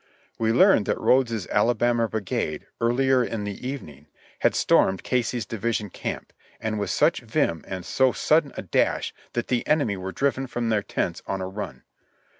We learned that Rodes's Alabama brigade, earlier in the evening, had stormed Casey's division camp, and with such vim, and so sudden a dash, that the enemy were driven from their tents on a run.